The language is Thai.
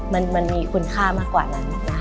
มันมีคุณค่ามากกว่านั้นนะ